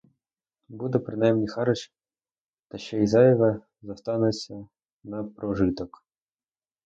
Буде принаймні харч, та ще й зайве зостанеться на прожиток.